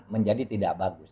menjadi tidak bagus